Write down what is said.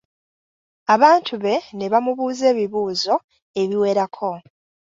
Abantu be ne bamubuuza ebibuuzo ebiwerako.